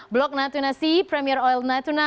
blok natuna sea premier oil natuna